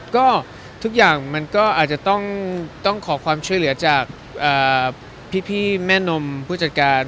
ก็ทุกอย่างมันก็อาจจะต้องขอความช่วยเหลือจากพี่แม่นมผู้จัดการ